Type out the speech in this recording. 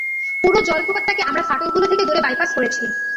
পুরো জলপ্রপাতটাকে আমরা ফাটলগুলো থেকে দূরে বাইপাস করেছি।